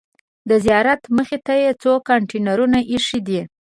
د زیارت مخې ته څو کانتینرونه ایښي دي.